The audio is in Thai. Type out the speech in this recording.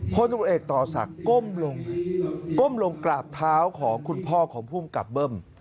พลตรวจเอกต่อศักดิ์ก้มลงก้มลงกราบเท้าของคุณพ่อของภูมิกับเบิ้ม